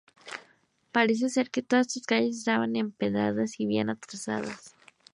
Parece ser que todas sus calles estaban empedradas y bien trazadas.